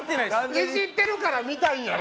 イジってるから見たいんやろ？